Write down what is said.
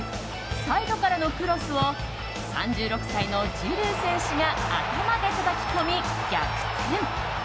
サイドからのクロスを３６歳のジルー選手が頭でたたき込み逆転。